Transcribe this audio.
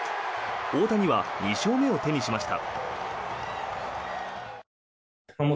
大谷は２勝目を手にしました。